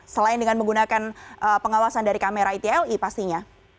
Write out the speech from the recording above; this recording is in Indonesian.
selain dengan menggunakan pengawasan dari kamera itli pastinya